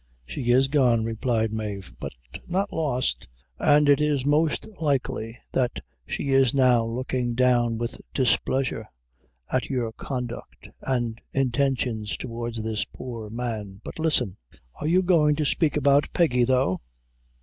"She is gone," replied Mave, "but not lost; an' it is most likely that she is now looking down with displeasure at your conduct and intentions towards this poor man; but listen." "Are you goin' to spake about Peggy, though?"